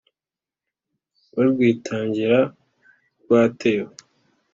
barwitangira rwatewe